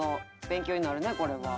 勉強になるねこれは」